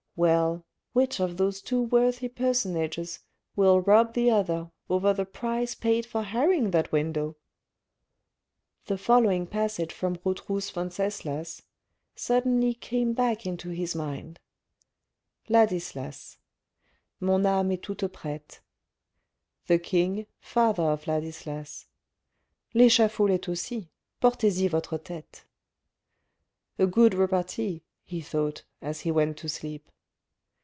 Well, which of those two worthy personages will rob the other over the price paid for hiring that window ?" The following passage from Rotrou's " Venceslas " suddenly came back into his mind :— Ladislas Mon ame est toute prete. THE KING, father of Ladislas. L'echafaud Test aussi : portez y votre tete. " A good repartee " he thought, as he went to sleep.